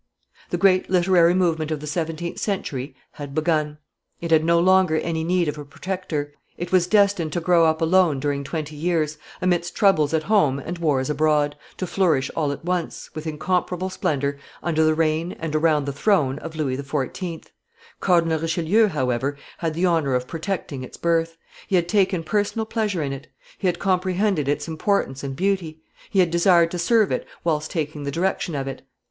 The great literary movement of the seventeenth century had begun; it had no longer any need of a protector; it was destined to grow up alone during twenty years, amidst troubles at home and wars abroad, to flourish all at once, with incomparable splendor, under the reign and around the throne of Louis XIV. Cardinal Richelieu, however, had the honor of protecting its birth; he had taken personal pleasure in it; he had comprehended its importance and beauty; he had desired to serve it whilst taking the direction of it.